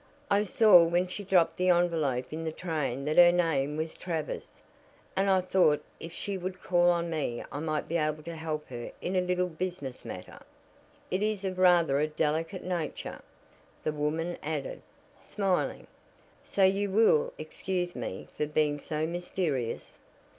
"I saw when she dropped the envelope in the train that her name was Travers, and I thought if she would call on me I might be able to help her in a little business matter. It is of rather a delicate nature," the woman added, smiling, "so you will excuse me for being so mysterious."